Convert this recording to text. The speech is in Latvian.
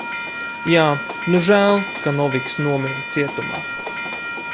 Jā, nu žēl, ka Noviks nomira cietumā.